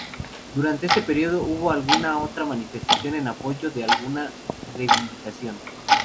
Durante este período hubo alguna que otra manifestación en apoyo de alguna reivindicación.